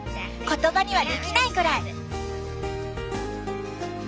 言葉にはできないぐらい。